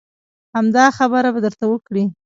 همدا خبره به درته وکړي.